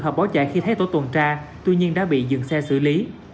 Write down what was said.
cô chạy khi thấy tổ tuần tra tuy nhiên đã bị dừng xe xử lý